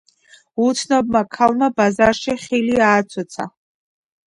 უცნობმა ქალმა ბაზარში ხილი ააცოცა.